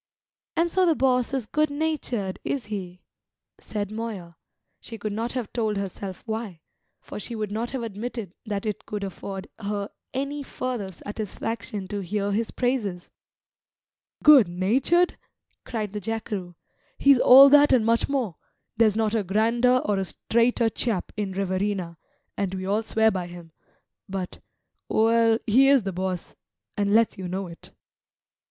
"And so the boss is good natured, is he?" said Moya, she could not have told herself why; for she would not have admitted that it could afford her any further satisfaction to hear his praises. "Good natured?" cried the jackeroo. "He's all that and much more; there's not a grander or a straighter chap in Riverina, and we all swear by him; but well, he is the boss, and let's you know it."